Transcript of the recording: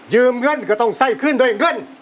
ยืมเงินก็ต้องใส่ขึ้นโดยเงิน